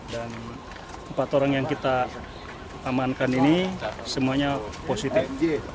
dan empat orang yang kita amankan ini semuanya positif